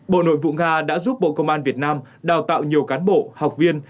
bộ nội vụ nga đã giúp bộ công an việt nam đào tạo nhiều cán bộ học viên